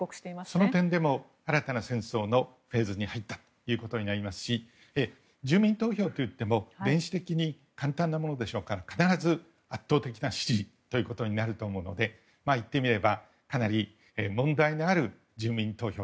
その点でも新たな戦争のフェーズに入ったことになりますし住民投票といっても電子的に簡単なものでしょうから必ず圧倒的な支持ということになると思うのでいってみればかなり問題のある住民投票。